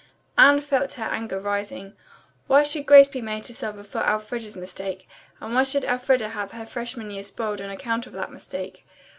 Anne felt her anger rising. Why should Grace be made to suffer for Elfreda's mistake, and why should Elfreda have her freshman year spoiled on account of that mistake.